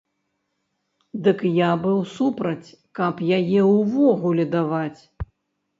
Дык я быў супраць, каб яе ўвогуле даваць.